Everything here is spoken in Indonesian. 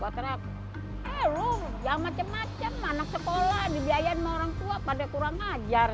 gue teriak eh lu yang macem macem anak sekolah dibiayain sama orang tua pada kurang ajar